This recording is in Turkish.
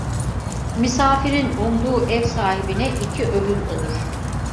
Misafirin umduğu ev sahibine iki övün olur.